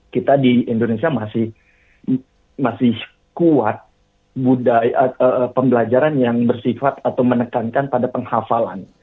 kita di indonesia masih kuat pembelajaran yang bersifat atau menekankan pada penghafalan